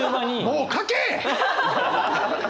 もう書け！